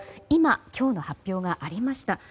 今、今日の発表がありました。